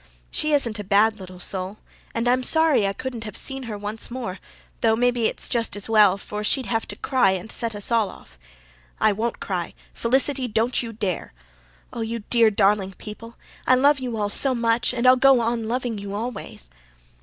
"She isn't a bad little soul, and I'm sorry I couldn't see her once more, though maybe it's just as well for she'd have to cry and set us all off. I WON'T cry. Felicity, don't you dare. Oh, you dear, darling people, I love you all so much and I'll go on loving you always."